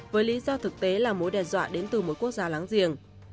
với lý do thực tế là mối đe dọa đến từ một quốc gia láng giềng